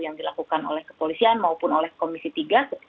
yang dilakukan oleh kepolisian maupun oleh komisi tiga